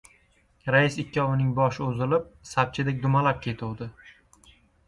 Rais ikkovining boshi uzilib, sapchadek dumalab ketuvdi.